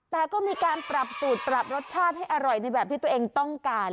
แต่ก็มีการปรับสูตรปรับรสชาติให้อร่อยในแบบที่ตัวเองต้องการ